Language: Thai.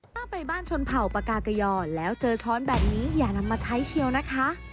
ถ้าไปบ้านชนเผ่าปากากยอแล้วเจอช้อนแบบนี้อย่านำมาใช้เชียวนะคะ